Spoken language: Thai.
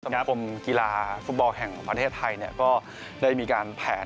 สมาคมกีฬาฟุตบอลแห่งประเทศไทยเนี่ยก็ได้มีการแผน